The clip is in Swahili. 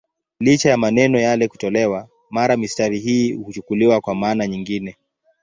Licha ya maneno yale kutolewa, mara mistari hii huchukuliwa kwa maana nyingine.